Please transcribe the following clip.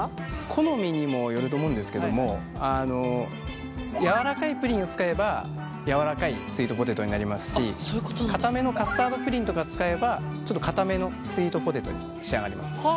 好みにもよると思うんですけども柔らかいプリンを使えば柔らかいスイートポテトになりますしかためのカスタードプリンとか使えばちょっとかためのスイートポテトに仕上がります。